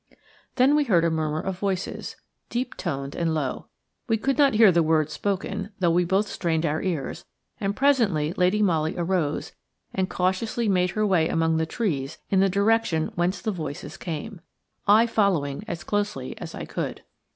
Then we heard a murmur of voices, deep toned and low. We could not hear the words spoken, though we both strained our ears, and presently Lady Molly arose and cautiously made her way among the trees in the direction whence the voices came, I following as closely as I could.